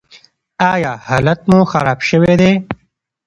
ایا حالت مو خراب شوی دی؟